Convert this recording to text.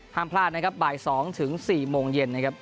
ห้ามพลาดนะครับบ่าย๒ถึง๔โมงเย็นนะครับ